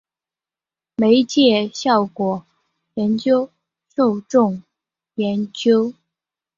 媒介效果研究受众研究